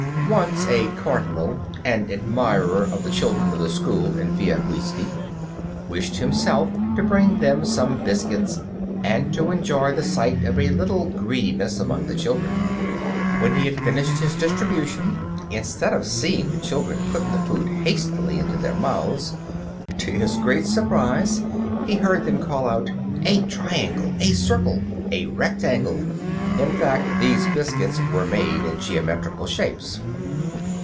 Once a cardinal, an admirer of the children of the school in Via Guisti, wished himself to bring them some biscuits and to enjoy the sight of a little greediness among the children. When he had finished his distribution, instead of seeing the children put the food hastily into their mouths, to his great surprise he heard them call out, "A triangle! a circle! a rectangle!" In fact, these biscuits were made in geometrical shapes.